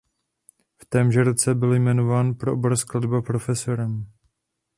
V témže roce byl jmenován pro obor skladba profesorem.